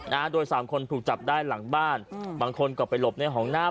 นะฮะโดยสามคนถูกจับได้หลังบ้านอืมบางคนก็ไปหลบในห้องหน้า